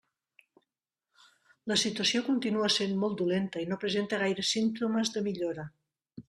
La situació continua essent molt dolenta i no presenta gaires símptomes de millora.